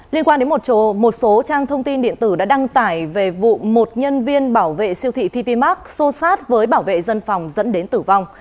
liên quan đến một số trang thông tin điện tử đã đăng tải về vụ một nhân viên bảo vệ siêu thị pity mark xô sát với bảo vệ dân phòng dẫn đến tử vong